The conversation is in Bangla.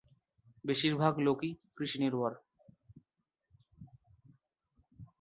বেশিরভাগ লোকই কৃষি নির্ভর।